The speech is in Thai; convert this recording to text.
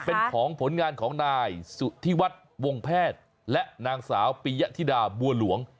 เป็นของผลงานของนายสุธิวัฒน์วงแพทย์และนางสาวปียธิดาบัวหลวง